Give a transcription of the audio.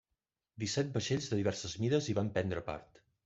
Disset vaixells de diverses mides hi van prendre part.